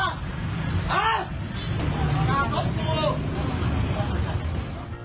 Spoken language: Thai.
กราบรถกู